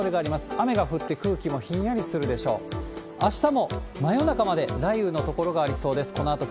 雨が降って空気もひんやりするで知っていましたか？